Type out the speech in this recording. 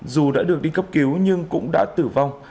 dù đã được đi cấp cứu nhưng cũng đã tử vong